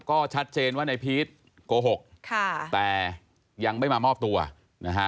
ก็ชัดเจนว่านายพีชโกหกค่ะแต่ยังไม่มามอบตัวนะฮะ